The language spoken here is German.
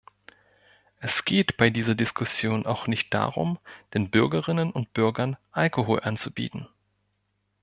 Es geht bei dieser Diskussion auch nicht darum, den Bürgerinnen und Bürgern Alkohol anzubieten.